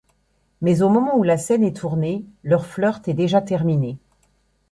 Mais au moment où la scène est tournée, leur flirt est déjà terminé.